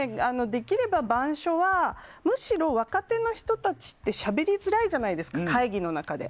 できれば板書はむしろ若手の人たちはしゃべりづらいじゃないですか会議の中で。